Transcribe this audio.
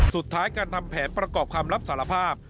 สุดท้ายการทำแผนประกอบคำรับสารภาพ